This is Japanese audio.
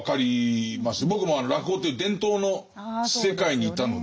僕も落語っていう伝統の世界にいたので。